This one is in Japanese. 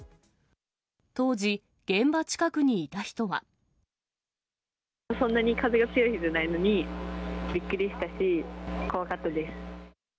当時、そんなに風が強い日じゃないのに、びっくりしたし、怖かったです。